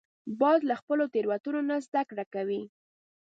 باز له خپلو تېرو نه زده کړه کوي